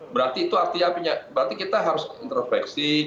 berarti itu artinya apa berarti kita harus intervensi